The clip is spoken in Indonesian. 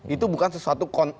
itu bukan sesuatu itu konteks